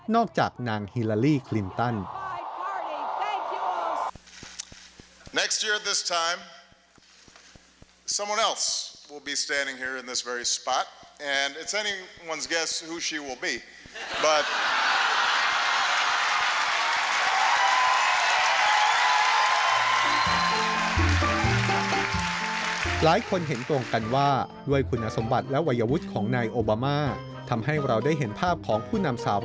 นอกจากนางฮิลาลี่กลิมตัน